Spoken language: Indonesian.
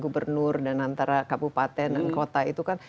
gubernur dan antara kabupaten dan kota itu kan